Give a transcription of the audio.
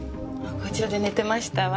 こちらで寝てましたわ。